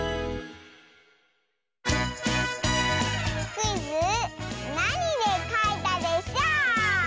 クイズ「なにでかいたでショー」！